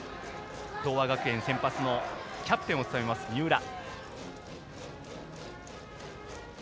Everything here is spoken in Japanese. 東亜学園先発のキャプテンを務めます、三浦。